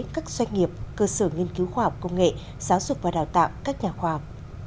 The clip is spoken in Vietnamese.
các doanh nghiệp cơ sở nghiên cứu khoa học công nghệ giáo dục và đào tạo các nhà khoa học